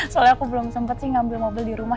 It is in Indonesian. soalnya aku belum sempat sih ngambil mobil di rumah